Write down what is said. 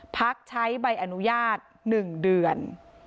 พักใช้ใบอนุญาต๑เดือน